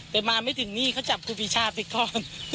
แต่มาไม่ถึงนี้ก็จับครูพิชาเคล็กข้อน